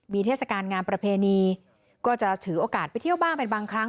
มีเทศกาลงานประเพณีก็จะถือโอกาสไปเที่ยวบ้างเป็นบางครั้ง